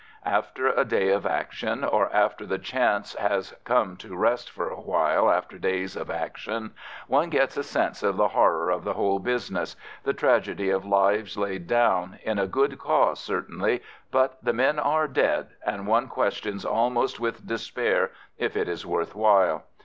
After a day of action, or after the chance has come to rest for a while after days of action, one gets a sense of the horror of the whole business the tragedy of lives laid down, in a good cause certainly, but the men are dead, and one questions almost with despair if it is worth while.